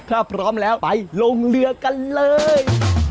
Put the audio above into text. ถ้าพร้อมแล้วไปลงเรือกันเลย